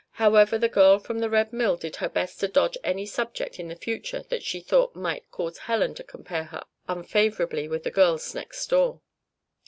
However, the girl from the Red Mill did her best to dodge any subject in the future that she thought might cause Helen to compare her unfavorably with the girls next door.